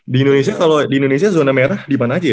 di indonesia kalo di indonesia zona merah dimana aja ya